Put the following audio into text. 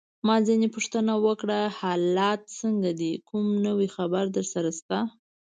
ما ځینې پوښتنه وکړه: حالات څنګه دي؟ کوم نوی خبر درسره شته؟